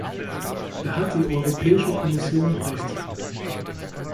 Da hat die Europäische Kommission recht.